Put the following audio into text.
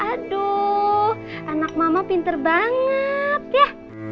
aduh anak mama pinter banget ya